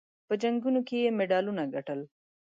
په جنګونو کې یې مډالونه ګټل.